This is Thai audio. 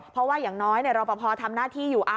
เพราะว่าอย่างน้อยรอปภทำหน้าที่อยู่